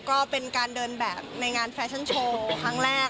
ก็เป็นการเดินแบบในงานแฟชั่นโชว์ครั้งแรก